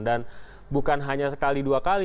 dan bukan hanya sekali dua kali